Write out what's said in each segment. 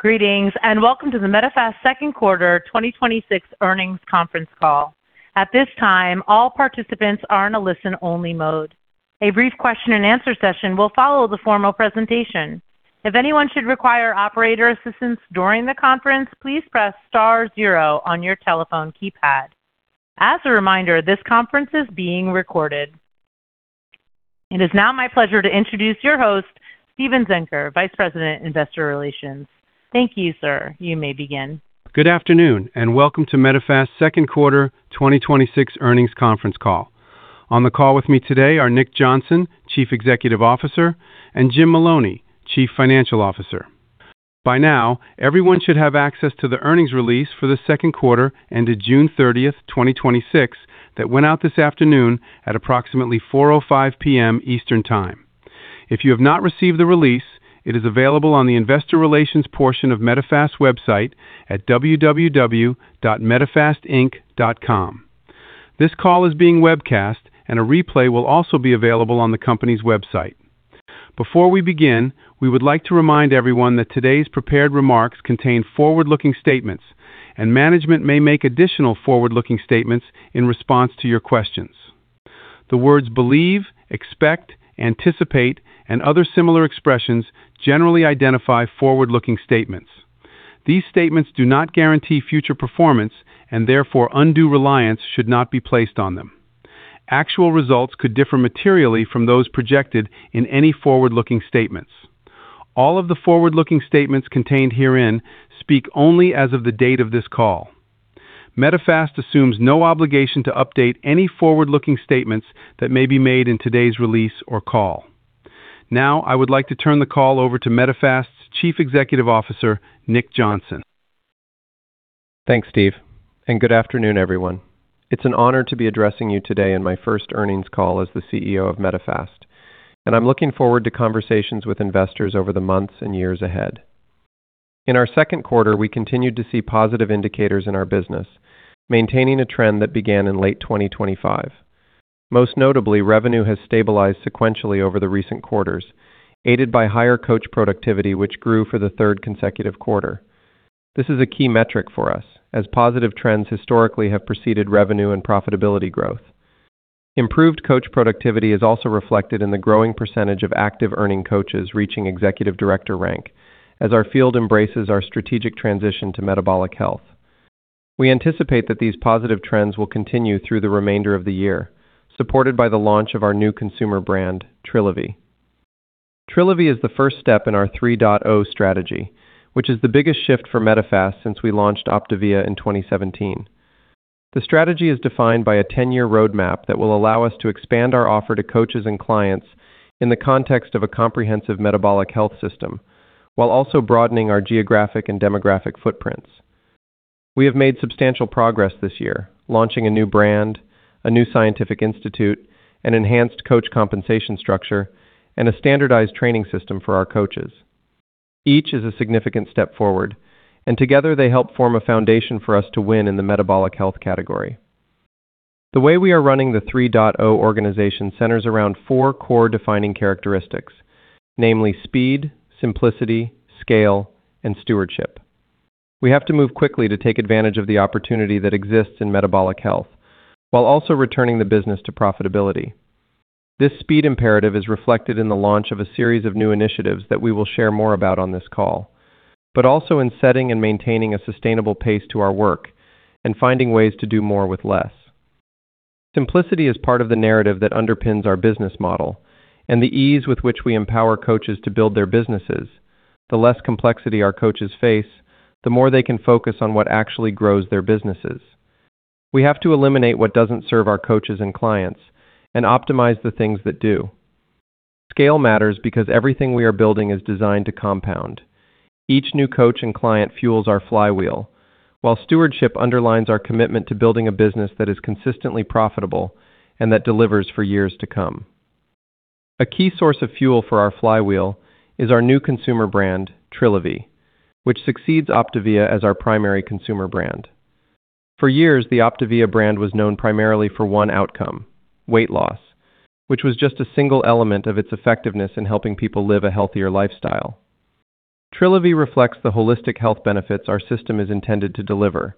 Greetings, welcome to the Medifast second quarter 2026 earnings conference call. At this time, all participants are in a listen-only mode. A brief question and answer session will follow the formal presentation. If anyone should require operator assistance during the conference, please press star zero on your telephone keypad. As a reminder, this conference is being recorded. It is now my pleasure to introduce your host, Steven Zenker, Vice President, Investor Relations. Thank you, sir. You may begin. Good afternoon, welcome to Medifast's second quarter 2026 earnings conference call. On the call with me today are Nicholas Johnson, Chief Executive Officer, and Jim Maloney, Chief Financial Officer. By now, everyone should have access to the earnings release for the second quarter ended June 30th, 2026, that went out this afternoon at approximately 4:05 P.M. Eastern Time. If you have not received the release, it is available on the investor relations portion of Medifast's website at www.medifastinc.com. This call is being webcast, a replay will also be available on the company's website. Before we begin, we would like to remind everyone that today's prepared remarks contain forward-looking statements, management may make additional forward-looking statements in response to your questions. The words believe, expect, anticipate, other similar expressions generally identify forward-looking statements. These statements do not guarantee future performance, therefore, undue reliance should not be placed on them. Actual results could differ materially from those projected in any forward-looking statements. All of the forward-looking statements contained herein speak only as of the date of this call. Medifast assumes no obligation to update any forward-looking statements that may be made in today's release or call. Now, I would like to turn the call over to Medifast's Chief Executive Officer, Nicholas Johnson. Thanks, Steve, good afternoon, everyone. It's an honor to be addressing you today in my first earnings call as the Chief Executive Officer of Medifast, I'm looking forward to conversations with investors over the months and years ahead. In our second quarter, we continued to see positive indicators in our business, maintaining a trend that began in late 2025. Most notably, revenue has stabilized sequentially over the recent quarters, aided by higher coach productivity, which grew for the third consecutive quarter. This is a key metric for us, as positive trends historically have preceded revenue and profitability growth. Improved coach productivity is also reflected in the growing percentage of active earning coaches reaching executive director rank as our field embraces our strategic transition to metabolic health. We anticipate that these positive trends will continue through the remainder of the year, supported by the launch of our new consumer brand, Trilivy. Trilivy is the first step in our 3.0 strategy, which is the biggest shift for Medifast since we launched OPTAVIA in 2017. The strategy is defined by a 10-year roadmap that will allow us to expand our offer to coaches and clients in the context of a comprehensive metabolic health system while also broadening our geographic and demographic footprints. We have made substantial progress this year, launching a new brand, a new scientific institute, an enhanced coach compensation structure, and a standardized training system for our coaches. Each is a significant step forward, and together they help form a foundation for us to win in the metabolic health category. The way we are running the 3.0 organization centers around four core defining characteristics, namely speed, simplicity, scale, and stewardship. We have to move quickly to take advantage of the opportunity that exists in metabolic health while also returning the business to profitability. This speed imperative is reflected in the launch of a series of new initiatives that we will share more about on this call, but also in setting and maintaining a sustainable pace to our work and finding ways to do more with less. Simplicity is part of the narrative that underpins our business model and the ease with which we empower coaches to build their businesses. The less complexity our coaches face, the more they can focus on what actually grows their businesses. We have to eliminate what doesn't serve our coaches and clients and optimize the things that do. Scale matters because everything we are building is designed to compound. Each new coach and client fuels our flywheel, while stewardship underlines our commitment to building a business that is consistently profitable and that delivers for years to come. A key source of fuel for our flywheel is our new consumer brand, Trilivy, which succeeds OPTAVIA as our primary consumer brand. For years, the OPTAVIA brand was known primarily for one outcome, weight loss, which was just a single element of its effectiveness in helping people live a healthier lifestyle. Trilivy reflects the holistic health benefits our system is intended to deliver.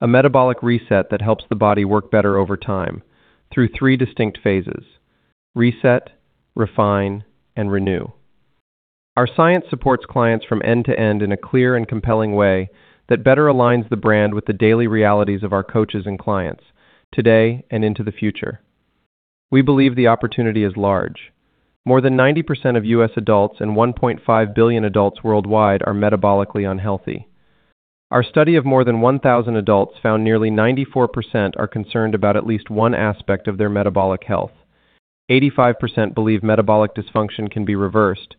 A metabolic reset that helps the body work better over time through three distinct phases: reset, refine, and renew. Our science supports clients from end to end in a clear and compelling way that better aligns the brand with the daily realities of our coaches and clients today and into the future. We believe the opportunity is large. More than 90% of U.S. adults and 1.5 billion adults worldwide are metabolically unhealthy. Our study of more than 1,000 adults found nearly 94% are concerned about at least one aspect of their metabolic health. 85% believe metabolic dysfunction can be reversed,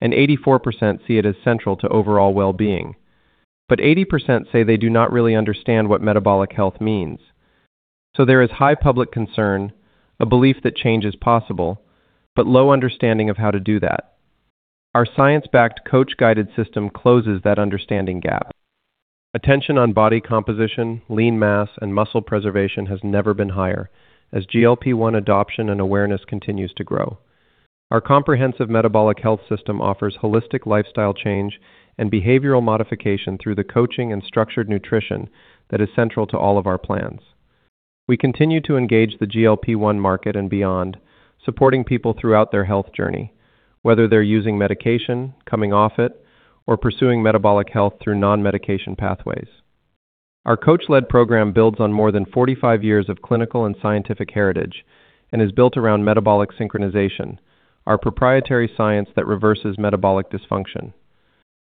and 84% see it as central to overall wellbeing. 80% say they do not really understand what metabolic health means. There is high public concern, a belief that change is possible, but low understanding of how to do that. Our science-backed, coach-guided system closes that understanding gap. Attention on body composition, lean mass, and muscle preservation has never been higher as GLP-1 adoption and awareness continues to grow. Our comprehensive metabolic health system offers holistic lifestyle change and behavioral modification through the coaching and structured nutrition that is central to all of our plans. We continue to engage the GLP-1 market and beyond, supporting people throughout their health journey, whether they're using medication, coming off it, or pursuing metabolic health through non-medication pathways. Our coach-led program builds on more than 45 years of clinical and scientific heritage and is built around metabolic synchronization, our proprietary science that reverses metabolic dysfunction.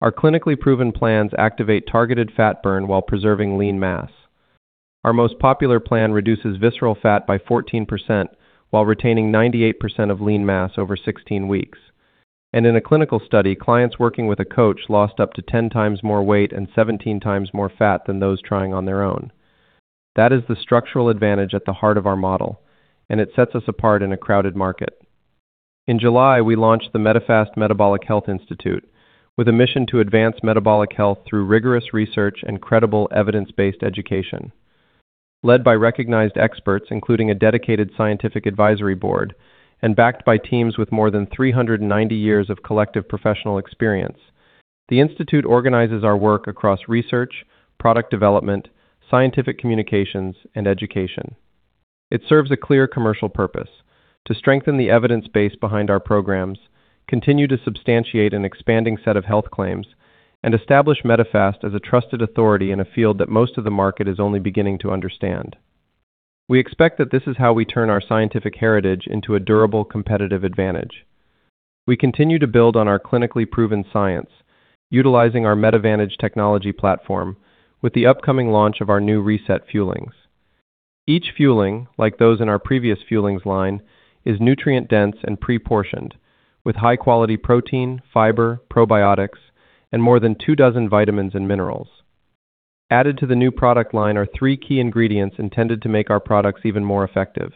Our clinically proven plans activate targeted fat burn while preserving lean mass. Our most popular plan reduces visceral fat by 14% while retaining 98% of lean mass over 16 weeks. In a clinical study, clients working with a coach lost up to 10x more weight and 17x more fat than those trying on their own. That is the structural advantage at the heart of our model. It sets us apart in a crowded market. In July, we launched the Medifast Metabolic Health Institute with a mission to advance metabolic health through rigorous research and credible evidence-based education. Led by recognized experts, including a dedicated scientific advisory board, and backed by teams with more than 390 years of collective professional experience. The institute organizes our work across research, product development, scientific communications, and education. It serves a clear commercial purpose: to strengthen the evidence base behind our programs, continue to substantiate an expanding set of health claims, and establish Medifast as a trusted authority in a field that most of the market is only beginning to understand. We expect that this is how we turn our scientific heritage into a durable, competitive advantage. We continue to build on our clinically proven science utilizing our MetaVantage Technology platform with the upcoming launch of our new Reset Fuelings. Each Fueling, like those in our previous Fuelings line, is nutrient-dense and pre-portioned with high-quality protein, fiber, probiotics, and more than two dozen vitamins and minerals. Added to the new product line are three key ingredients intended to make our products even more effective.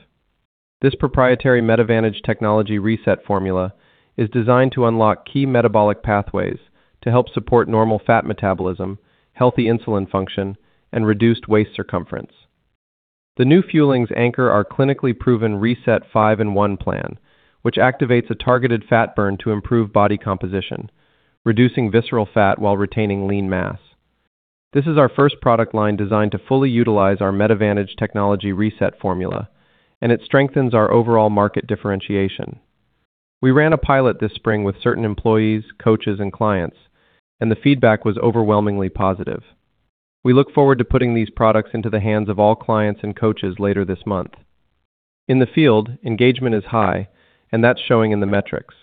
This proprietary MetaVantage Technology Reset Formula is designed to unlock key metabolic pathways to help support normal fat metabolism, healthy insulin function, and reduced waist circumference. The new Fuelings anchor our clinically proven Reset 5 & 1 Plan, which activates a targeted fat burn to improve body composition, reducing visceral fat while retaining lean mass. This is our first product line designed to fully utilize our MetaVantage Technology Reset Formula. It strengthens our overall market differentiation. We ran a pilot this spring with certain employees, coaches, and clients. The feedback was overwhelmingly positive. We look forward to putting these products into the hands of all clients and coaches later this month. In the field, engagement is high, and that's showing in the metrics.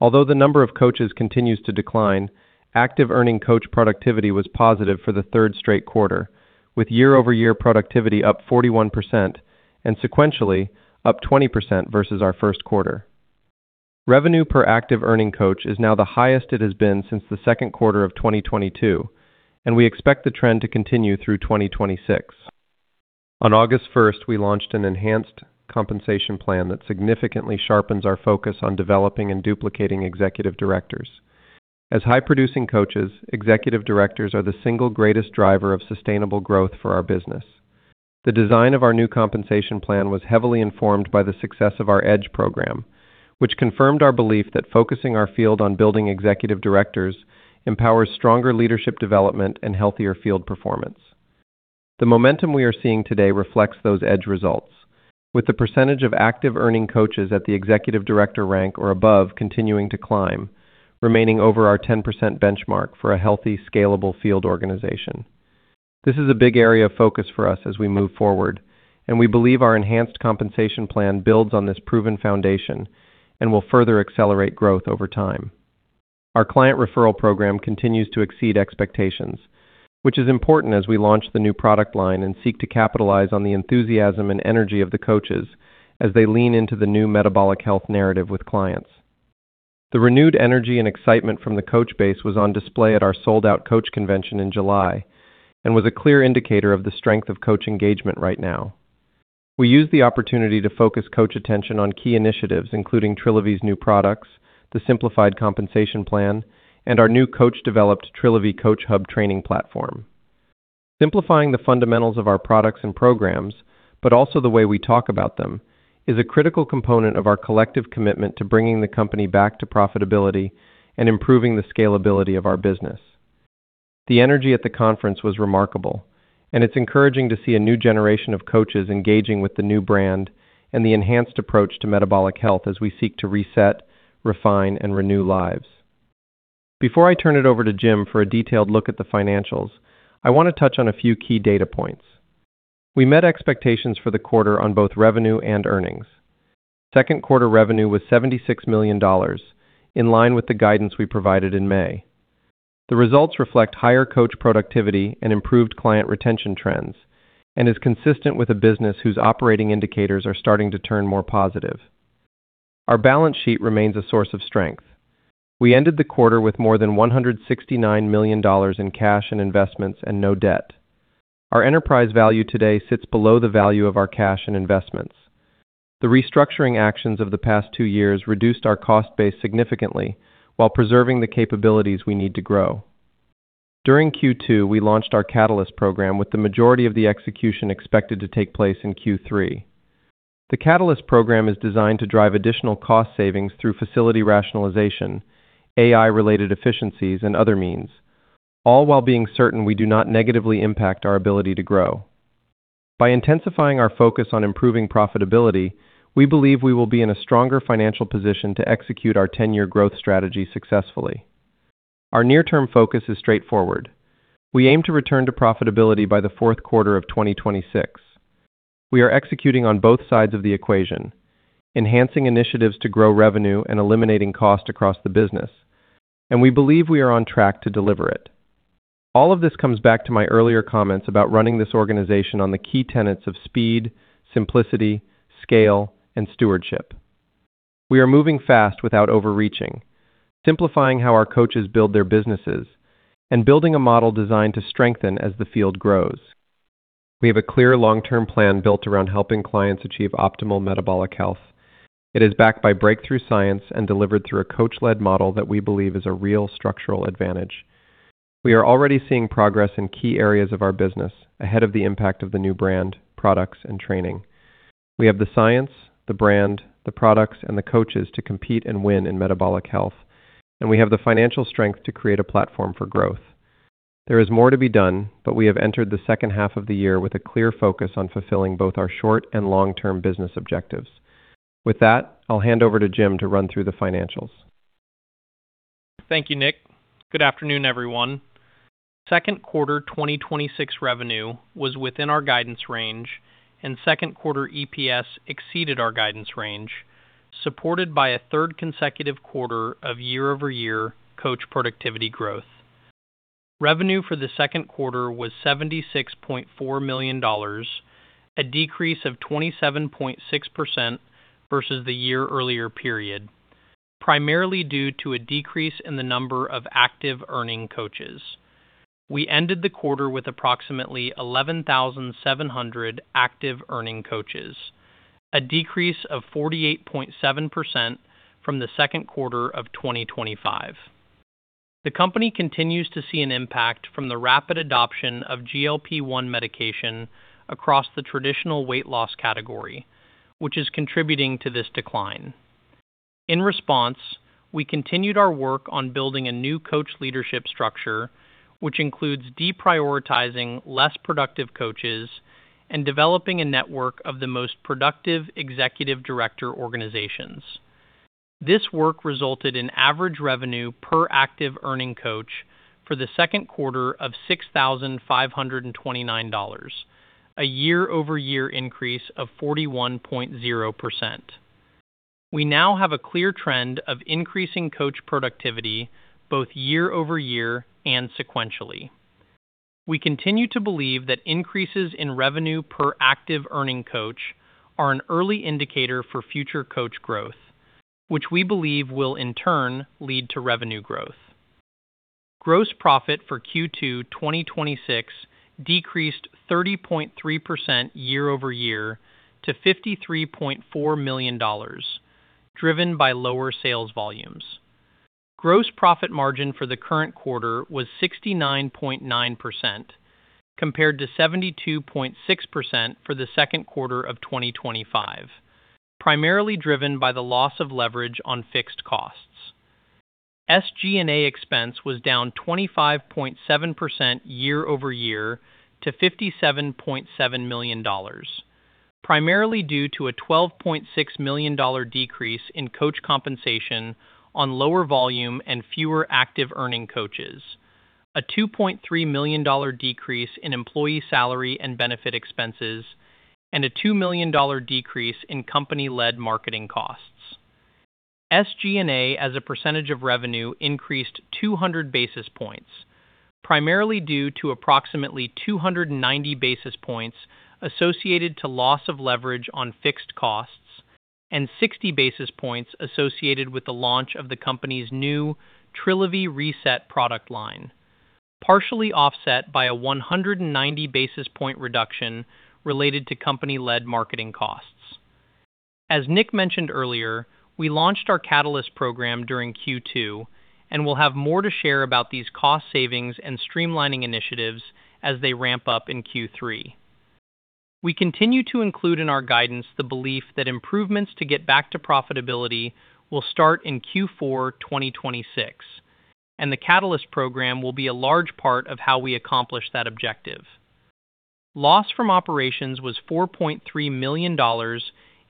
Although the number of coaches continues to decline, active earning coach productivity was positive for the third straight quarter, with year-over-year productivity up 41% and sequentially up 20% versus our first quarter. Revenue per active earning coach is now the highest it has been since the second quarter of 2022. We expect the trend to continue through 2026. On August 1st, we launched an enhanced compensation plan that significantly sharpens our focus on developing and duplicating executive directors. As high-producing coaches, executive directors are the single greatest driver of sustainable growth for our business. The design of our new compensation plan was heavily informed by the success of our Edge program, which confirmed our belief that focusing our field on building Executive Directors empowers stronger leadership development and healthier field performance. The momentum we are seeing today reflects those Edge results. With the percentage of active earning coaches at the Executive Director rank or above continuing to climb, remaining over our 10% benchmark for a healthy, scalable field organization. This is a big area of focus for us as we move forward, and we believe our enhanced compensation plan builds on this proven foundation and will further accelerate growth over time. Our client referral program continues to exceed expectations, which is important as we launch the new product line and seek to capitalize on the enthusiasm and energy of the coaches as they lean into the new metabolic health narrative with clients. The renewed energy and excitement from the coach base was on display at our sold-out coach convention in July and was a clear indicator of the strength of coach engagement right now. We used the opportunity to focus coach attention on key initiatives, including Trilivy's new products, the simplified compensation plan, and our new coach-developed Trilivy CoachHub training platform. Simplifying the fundamentals of our products and programs, but also the way we talk about them, is a critical component of our collective commitment to bringing the company back to profitability and improving the scalability of our business. The energy at the conference was remarkable, and it's encouraging to see a new generation of coaches engaging with the new brand and the enhanced approach to metabolic health as we seek to reset, refine, and renew lives. Before I turn it over to Jim for a detailed look at the financials, I want to touch on a few key data points. We met expectations for the quarter on both revenue and earnings. Second quarter revenue was $76 million, in line with the guidance we provided in May. The results reflect higher coach productivity and improved client retention trends and is consistent with a business whose operating indicators are starting to turn more positive. Our balance sheet remains a source of strength. We ended the quarter with more than $169 million in cash and investments and no debt. Our enterprise value today sits below the value of our cash and investments. The restructuring actions of the past two years reduced our cost base significantly while preserving the capabilities we need to grow. During Q2, we launched our Catalyst program, with the majority of the execution expected to take place in Q3. The Catalyst program is designed to drive additional cost savings through facility rationalization, AI-related efficiencies, and other means, all while being certain we do not negatively impact our ability to grow. By intensifying our focus on improving profitability, we believe we will be in a stronger financial position to execute our 10-year growth strategy successfully. Our near-term focus is straightforward. We aim to return to profitability by the fourth quarter of 2026. We are executing on both sides of the equation, enhancing initiatives to grow revenue and eliminating cost across the business, and we believe we are on track to deliver it. All of this comes back to my earlier comments about running this organization on the key tenets of speed, simplicity, scale, and stewardship. We are moving fast without overreaching, simplifying how our coaches build their businesses, and building a model designed to strengthen as the field grows. We have a clear long-term plan built around helping clients achieve optimal metabolic health. It is backed by breakthrough science and delivered through a coach-led model that we believe is a real structural advantage. We are already seeing progress in key areas of our business, ahead of the impact of the new brand, products, and training. We have the science, the brand, the products, and the coaches to compete and win in metabolic health, and we have the financial strength to create a platform for growth. There is more to be done, but we have entered the second half of the year with a clear focus on fulfilling both our short and long-term business objectives. With that, I'll hand over to Jim to run through the financials. Thank you, Nicholas. Good afternoon, everyone. Second quarter 2026 revenue was within our guidance range, and second quarter EPS exceeded our guidance range, supported by a third consecutive quarter of year-over-year coach productivity growth. Revenue for the second quarter was $76.4 million, a decrease of 27.6% versus the year earlier period, primarily due to a decrease in the number of active earning coaches. We ended the quarter with approximately 11,700 active earning coaches, a decrease of 48.7% from the second quarter of 2025. The company continues to see an impact from the rapid adoption of GLP-1 medication across the traditional weight-loss category, which is contributing to this decline. In response, we continued our work on building a new coach leadership structure, which includes deprioritizing less productive coaches and developing a network of the most productive executive director organizations. This work resulted in average revenue per active earning coach for the second quarter of $6,529, a year-over-year increase of 41.0%. We now have a clear trend of increasing coach productivity both year-over-year and sequentially. We continue to believe that increases in revenue per active earning coach are an early indicator for future coach growth, which we believe will in turn lead to revenue growth. Gross profit for Q2 2026 decreased 30.3% year-over-year to $53.4 million, driven by lower sales volumes. Gross profit margin for the current quarter was 69.9%, compared to 72.6% for the second quarter of 2025, primarily driven by the loss of leverage on fixed costs. SG&A expense was down 25.7% year-over-year to $57.7 million, primarily due to a $12.6 million decrease in coach compensation on lower volume and fewer active earning coaches, a $2.3 million decrease in employee salary and benefit expenses, and a $2 million decrease in company-led marketing costs. SG&A as a percentage of revenue increased 200 basis points, primarily due to approximately 290 basis points associated to loss of leverage on fixed costs and 60 basis points associated with the launch of the company's new Trilivy Reset product line, partially offset by a 190 basis point reduction related to company-led marketing costs. As Nicholas mentioned earlier, we launched our Catalyst program during Q2 and will have more to share about these cost savings and streamlining initiatives as they ramp up in Q3. We continue to include in our guidance the belief that improvements to get back to profitability will start in Q4 2026, and the Catalyst program will be a large part of how we accomplish that objective. Loss from operations was $4.3 million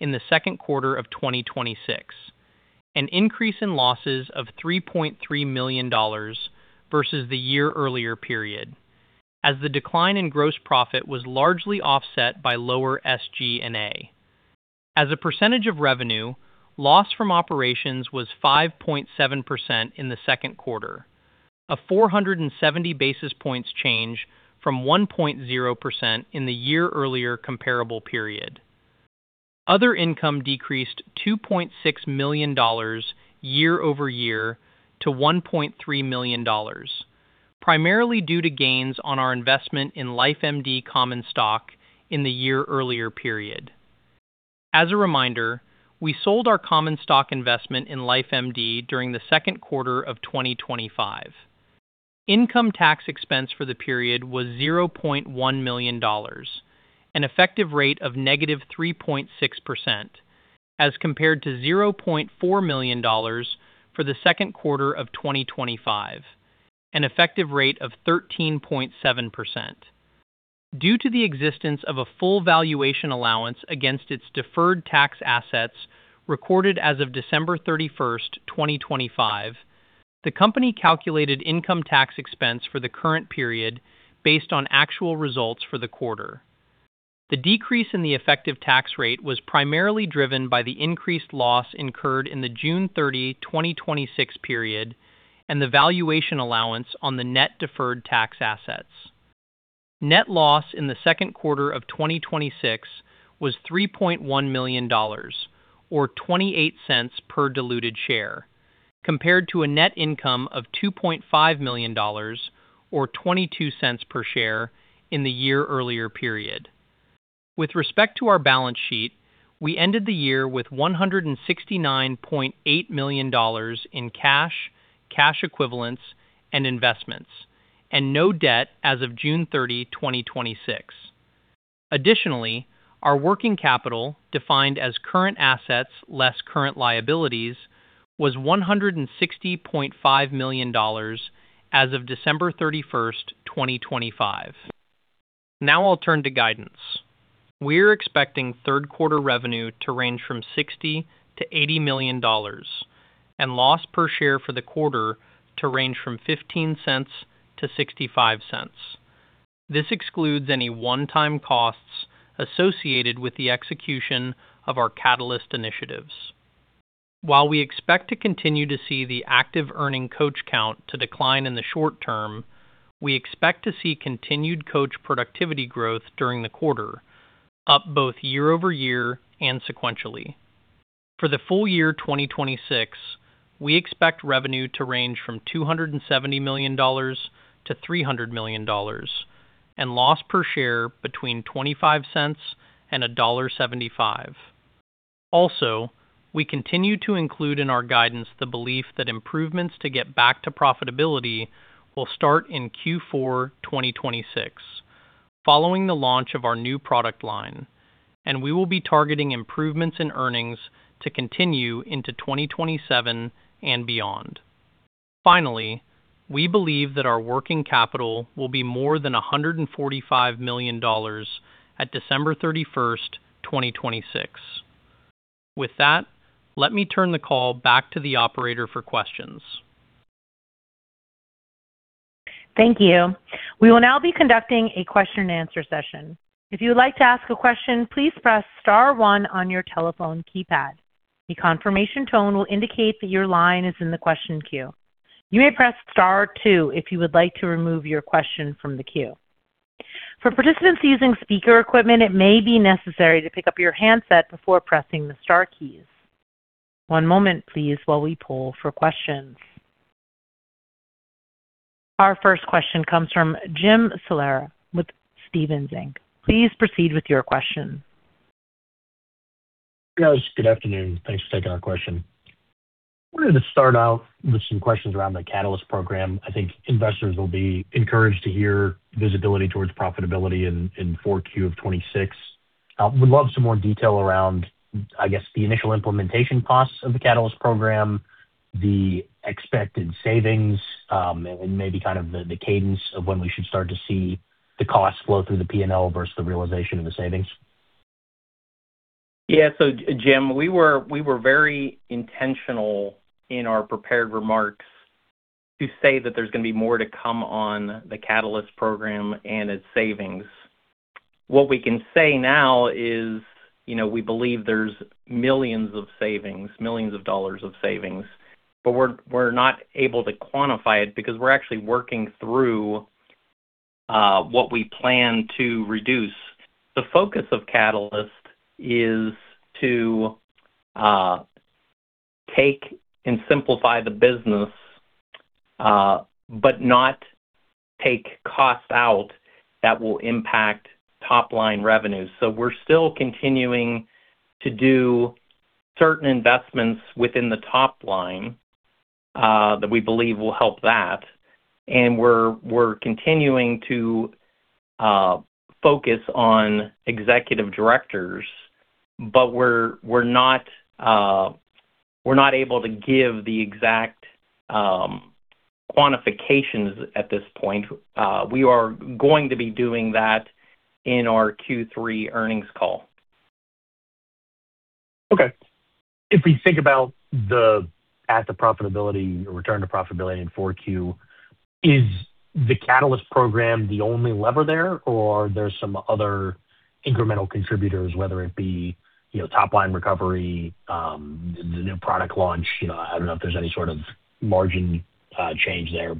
in the second quarter of 2026, an increase in losses of $3.3 million versus the year earlier period, as the decline in gross profit was largely offset by lower SG&A. As a percentage of revenue, loss from operations was 5.7% in the second quarter, a 470 basis points change from 1.0% in the year earlier comparable period. Other income decreased $2.6 million year-over-year to $1.3 million, primarily due to gains on our investment in LifeMD common stock in the year earlier period. As a reminder, we sold our common stock investment in LifeMD during the second quarter of 2025. Income tax expense for the period was $0.1 million, an effective rate of negative 3.6%, as compared to $0.4 million for the second quarter of 2025, an effective rate of 13.7%. Due to the existence of a full valuation allowance against its deferred tax assets recorded as of December 31, 2025, the company calculated income tax expense for the current period based on actual results for the quarter. The decrease in the effective tax rate was primarily driven by the increased loss incurred in the June 30, 2026 period and the valuation allowance on the net deferred tax assets. Net loss in the second quarter of 2026 was $3.1 million, or $0.28 per diluted share, compared to a net income of $2.5 million, or $0.22 per share in the year earlier period. With respect to our balance sheet, we ended the year with $169.8 million in cash equivalents, and investments, and no debt as of June 30, 2026. Additionally, our working capital, defined as current assets less current liabilities, was $160.5 million as of December 31, 2025. Now I'll turn to guidance. We're expecting third quarter revenue to range from $60 million-$80 million, and loss per share for the quarter to range from $0.15-$0.65. This excludes any one-time costs associated with the execution of our Catalyst initiatives. While we expect to continue to see the active earning coach count to decline in the short term, we expect to see continued coach productivity growth during the quarter, up both year-over-year and sequentially. For the full year 2026, we expect revenue to range from $270 million-$300 million, and loss per share between $0.25-$1.75. We continue to include in our guidance the belief that improvements to get back to profitability will start in Q4 2026, following the launch of our new product line, and we will be targeting improvements in earnings to continue into 2027 and beyond. Finally, we believe that our working capital will be more than $145 million at December 31st, 2026. With that, let me turn the call back to the operator for questions. Thank you. We will now be conducting a question and answer session. If you would like to ask a question, please press star one on your telephone keypad. A confirmation tone will indicate that your line is in the question queue. You may press star two if you would like to remove your question from the queue. For participants using speaker equipment, it may be necessary to pick up your handset before pressing the star keys. One moment please while we poll for questions. Our first question comes from Jim Salera with Stephens Inc. Please proceed with your question. Guys, good afternoon. Thanks for taking our question. We wanted to start out with some questions around the Catalyst program. I think investors will be encouraged to hear visibility towards profitability in 4Q of 2026. Would love some more detail around, I guess, the initial implementation costs of the Catalyst program, the expected savings, and maybe the cadence of when we should start to see the costs flow through the P&L versus the realization of the savings. Jim, we were very intentional in our prepared remarks to say that there's going to be more to come on the Catalyst program and its savings. What we can say now is we believe there's millions of savings, millions of dollars of savings, but we're not able to quantify it because we're actually working through what we plan to reduce. The focus of Catalyst is to take and simplify the business, but not take costs out that will impact top-line revenues. We're still continuing to do certain investments within the top line that we believe will help that, and we're continuing to focus on executive directors, but we're not able to give the exact quantifications at this point. We are going to be doing that in our Q3 earnings call. Okay. If we think about the path to profitability or return to profitability in 4Q, is the Catalyst program the only lever there, or are there some other incremental contributors, whether it be top-line recovery, the new product launch? I don't know if there's any sort of margin change there.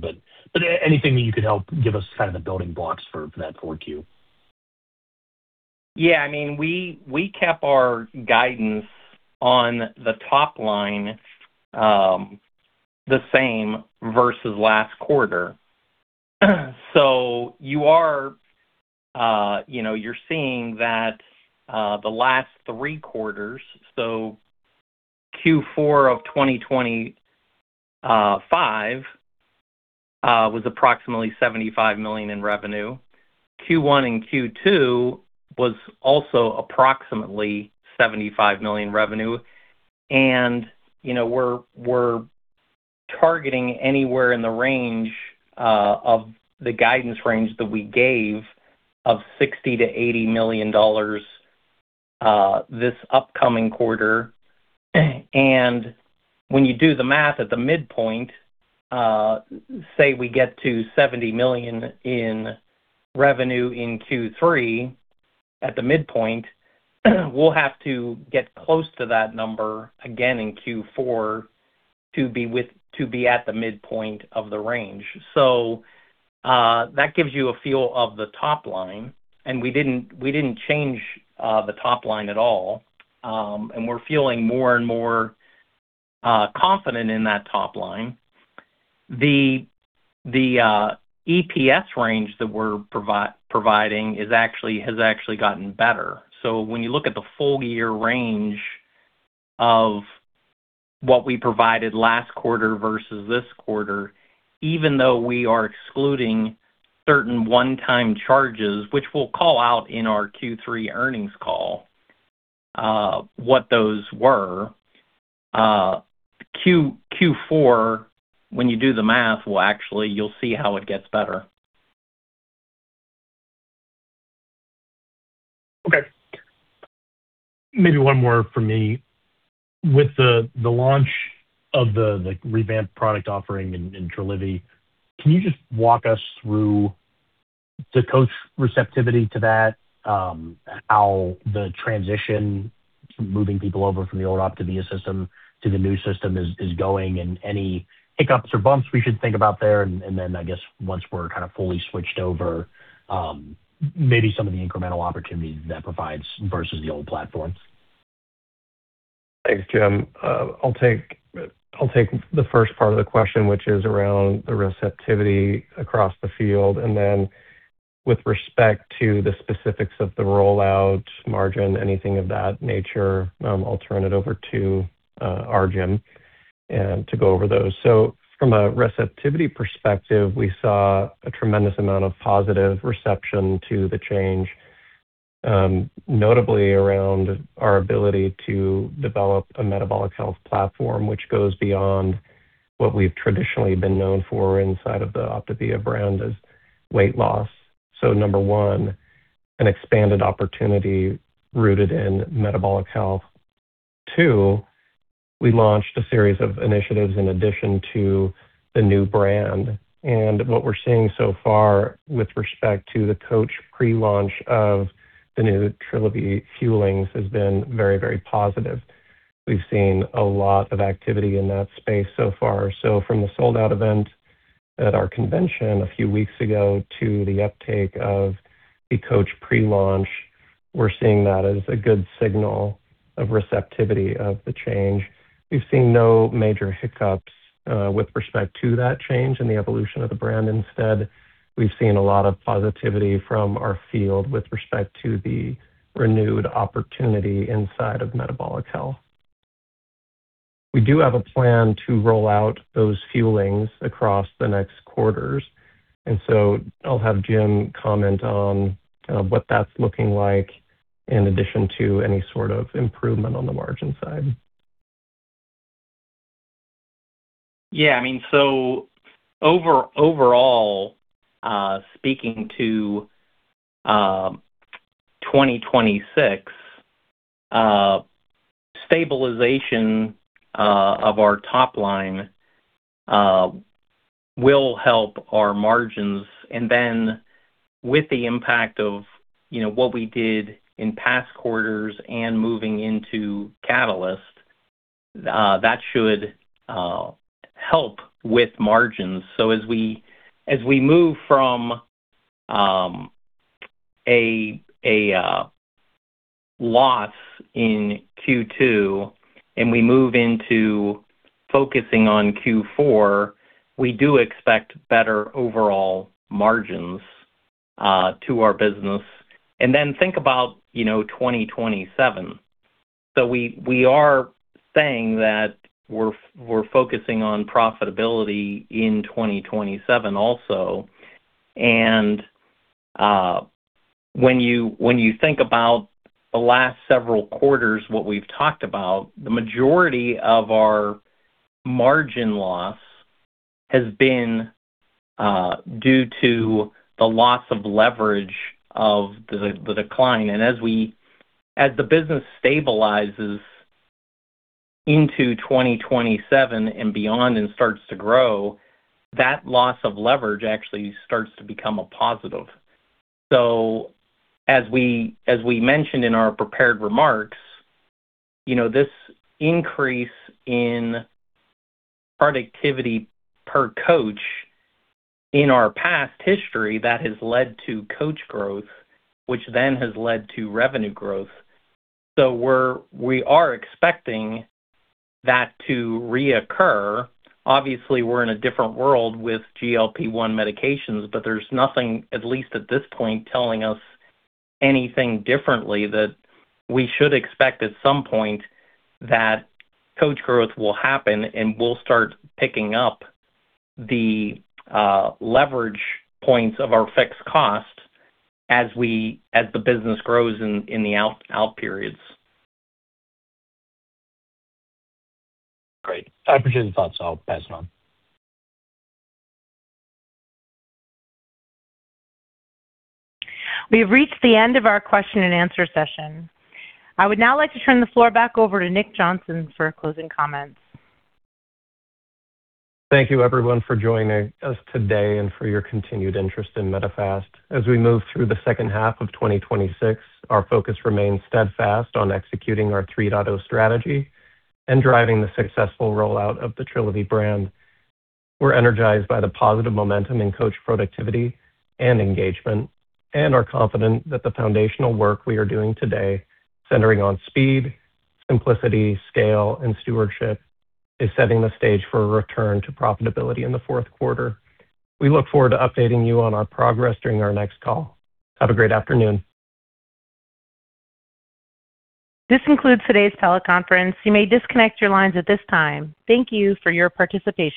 Anything that you could help give us the building blocks for that 4Q. Yeah, we kept our guidance on the top line the same versus last quarter. You're seeing that the last three quarters, Q4 of 2025, was approximately $75 million in revenue. Q1 and Q2 was also approximately $75 million revenue, we're targeting anywhere in the range of the guidance range that we gave of $60 million-$80 million this upcoming quarter. When you do the math at the midpoint, say we get to $70 million in revenue in Q3, at the midpoint, we'll have to get close to that number again in Q4 to be at the midpoint of the range. That gives you a feel of the top line, we didn't change the top line at all. We're feeling more and more confident in that top line. The EPS range that we're providing has actually gotten better. When you look at the full-year range of what we provided last quarter versus this quarter, even though we are excluding certain one-time charges, which we'll call out in our Q3 earnings call, what those were. Q4, when you do the math, you'll see how it gets better. Okay. Maybe one more from me. With the launch of the revamped product offering in Trilivy, can you just walk us through the coach receptivity to that, how the transition, moving people over from the old OPTAVIA system to the new system is going, any hiccups or bumps we should think about there, then I guess once we're kind of fully switched over, maybe some of the incremental opportunities that provides versus the old platforms? Thanks, Jim. I'll take the first part of the question, which is around the receptivity across the field, and then with respect to the specifics of the rollout margin, anything of that nature, I'll turn it over to our Jim to go over those. From a receptivity perspective, we saw a tremendous amount of positive reception to the change, notably around our ability to develop a metabolic health platform, which goes beyond what we've traditionally been known for inside of the OPTAVIA brand as weight loss. So number one, an expanded opportunity rooted in metabolic health. Two, we launched a series of initiatives in addition to the new brand, and what we're seeing so far with respect to the coach pre-launch of the new Trilivy Fuelings has been very positive. We've seen a lot of activity in that space so far. From the sold-out event at our convention a few weeks ago to the uptake of the coach pre-launch, we're seeing that as a good signal of receptivity of the change. We've seen no major hiccups with respect to that change and the evolution of the brand. Instead, we've seen a lot of positivity from our field with respect to the renewed opportunity inside of metabolic health. We do have a plan to roll out those fuelings across the next quarters. I'll have Jim comment on what that's looking like in addition to any sort of improvement on the margin side. Overall, speaking to 2026, stabilization of our top line will help our margins. With the impact of what we did in past quarters and moving into Catalyst, that should help with margins. As we move from a loss in Q2 and we move into focusing on Q4, we do expect better overall margins to our business. Then think about 2027. We are saying that we're focusing on profitability in 2027 also. When you think about the last several quarters, what we've talked about, the majority of our margin loss has been due to the loss of leverage of the decline. As the business stabilizes into 2027 and beyond and starts to grow, that loss of leverage actually starts to become a positive. As we mentioned in our prepared remarks, this increase in productivity per coach in our past history, that has led to coach growth, which then has led to revenue growth. We are expecting that to reoccur. Obviously, we're in a different world with GLP-1 medications, but there's nothing, at least at this point, telling us anything differently that we should expect at some point that coach growth will happen, and we'll start picking up the leverage points of our fixed cost as the business grows in the out periods. Great. I appreciate the thoughts. I'll pass it on. We have reached the end of our question and answer session. I would now like to turn the floor back over to Nicholas Johnson for closing comments. Thank you everyone for joining us today and for your continued interest in Medifast. As we move through the second half of 2026, our focus remains steadfast on executing our 3.0 strategy and driving the successful rollout of the Trilivy brand. We're energized by the positive momentum in coach productivity and engagement and are confident that the foundational work we are doing today, centering on speed, simplicity, scale, and stewardship, is setting the stage for a return to profitability in the fourth quarter. We look forward to updating you on our progress during our next call. Have a great afternoon. This concludes today's teleconference. You may disconnect your lines at this time. Thank you for your participation.